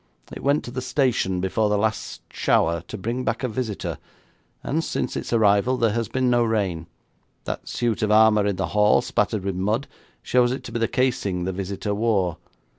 It went to the station before the last shower to bring back a visitor, and since its arrival there has been no rain. That suit of armour in the hall spattered with mud shows it to be the casing the visitor wore.